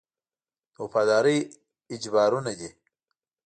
د وفادارۍ اجبارونه دي.